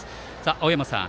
青山さん